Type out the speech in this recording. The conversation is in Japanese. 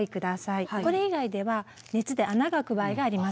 これ以外では熱で穴が開く場合があります。